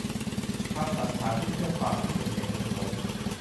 คำสันธานที่เชื่อมความที่เป็นเหตุเป็นผล